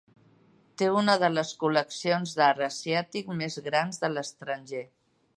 Té una de les col·leccions d'art asiàtic més grans de l'estranger.